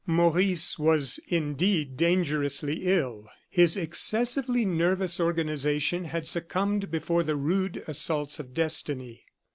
Maurice was indeed dangerously ill. His excessively nervous organization had succumbed before the rude assaults of destiny.